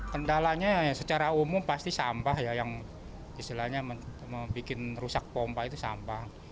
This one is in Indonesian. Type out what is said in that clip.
kendalanya secara umum pasti sampah yang bikin rusak pompa itu sampah